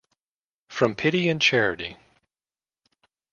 From pity and charity!